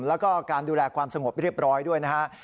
แล้วก็การดูแลความสงบเรียบร้อยด้วยนะฮะ